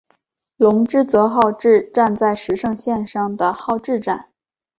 泷之泽号志站石胜线上的号志站。